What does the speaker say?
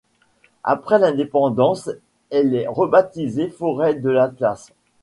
Après l'indépendance, elle est rebaptisée Forêt de l'Atlas.